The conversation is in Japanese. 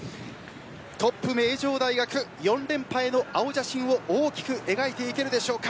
トップ名城大学４連覇への青写真を大きく描いていけるでしょうか。